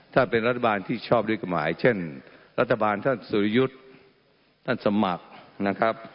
ถ้าเป็นรัฐบาลที่ชอบด้วยกฎหมายเช่นรัฐบาลท่านสุริยุทธ์ท่านสมัครนะครับ